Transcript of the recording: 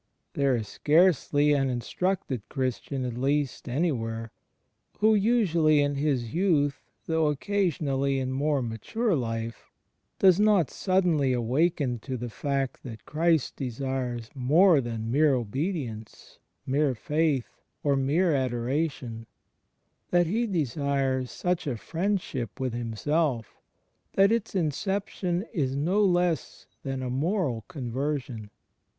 There is ^ Ps. Ixviii : 21. Il8 THE FRIENDSHIP OF CHRIST scarcely an instructed Christian, at least, anjnvhere, who, usually in his youth, though occasionally in more mature life, does not suddenly awaken to the fact that Christ desires more than mere obedience, mere faith, or mere adoration — that He desires such a Friendship with Himself that its inception is no less than a moral conversion.